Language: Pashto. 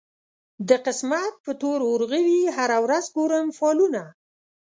د قسمت پر تور اورغوي هره ورځ ګورم فالونه